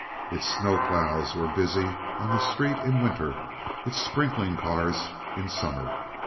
Its snow plows were busy on the street in winter, its sprinkling cars in summer.